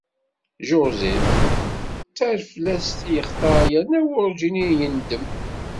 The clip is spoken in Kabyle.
José d tarflest i yextar yerna werǧin i yendem.